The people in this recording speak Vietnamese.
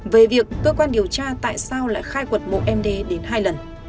về việc cơ quan điều tra tại sao lại khai quật mộ em đê đến hai lần